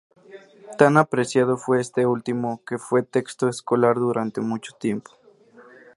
Tan apreciado fue este último, que fue texto escolar durante mucho tiempo.